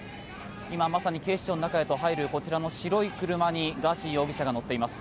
今まさに警視庁の中へと入るこちらの白い車にガーシー容疑者が乗っています。